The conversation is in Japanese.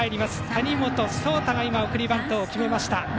谷本颯太が送りバントを決めました。